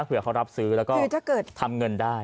เพื่อรับซื้อและก็ทำเงินได้